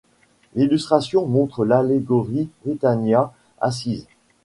L'illustration montre l'allégorie Britannia assise.